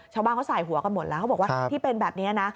ชาวบ้านเขาใส่หัวกันหมดแล้วเขาบอกว่าที่เป็นแบบนี้นะ